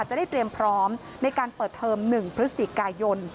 จะได้เตรียมพร้อมในการเปิดเทอม๑พฤศจิกายน